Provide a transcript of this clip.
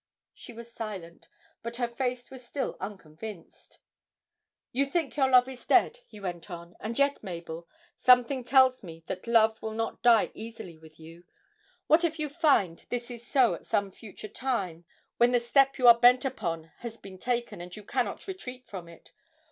She was silent, but her face was still unconvinced. 'You think your love is dead,' he went on, 'and yet, Mabel, something tells me that love will not die easily with you. What if you find this is so at some future time, when the step you are bent upon has been taken, and you cannot retreat from it?